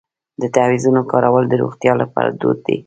د تعویذونو کارول د روغتیا لپاره دود دی.